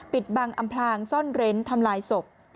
ปิดบังอำพลางซ่อนเร้นทำลายศพ